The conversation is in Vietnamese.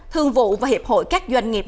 thương vụ và hiệp hội các doanh nghiệp